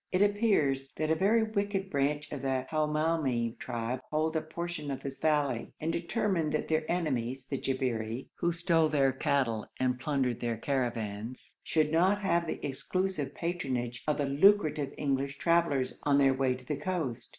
It appears that a very wicked branch of the Hamoumi tribe hold a portion of this valley, and determined that their enemies, the Jabberi, who stole their cattle and plundered their caravans, should not have the exclusive patronage of the lucrative English travellers on their way to the coast.